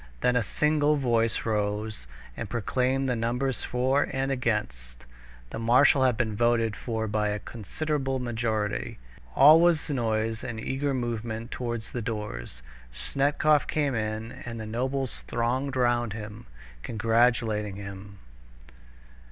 Then a single voice rose and proclaimed the numbers for and against. The marshal had been voted for by a considerable majority. All was noise and eager movement towards the doors. Snetkov came in, and the nobles thronged round him, congratulating him.